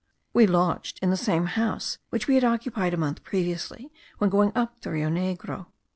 We lodged in the same house which we had occupied a month previously, when going up the Rio Negro.